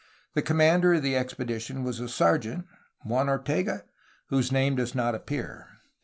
The commander of the expedition was a sergeant (Juan Ortega?) whose name does not appear.